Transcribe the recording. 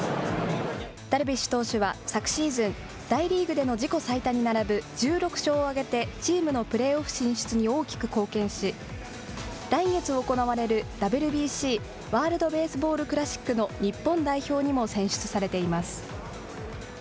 ダルビッシュ投手は、昨シーズン、大リーグでの自己最多に並ぶ１６勝を挙げて、チームのプレーオフ進出に大きく貢献し、来月行われるＷＢＣ・ワールドベースボールクラシックの日本代表にも選出されています。